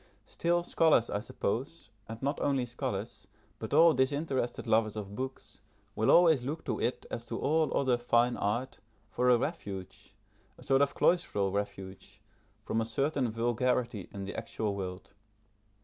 Still, scholars, I suppose, and not only scholars, but all disinterested lovers of books, will always look to it, as to all other fine art, for a refuge, a sort of cloistral refuge, from a certain vulgarity in the actual world.